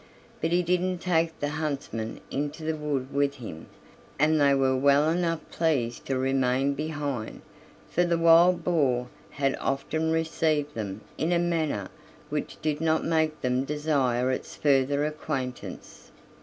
But he didn't take the huntsmen into the wood with him, and they were well enough pleased to remain behind, for the wild boar had often received them in a manner which did not make them desire its further acquaintance.